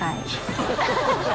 ハハハ